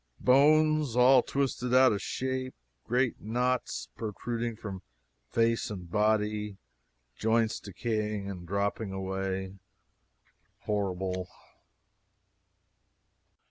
Bones all twisted out of shape, great knots protruding from face and body, joints decaying and dropping away horrible!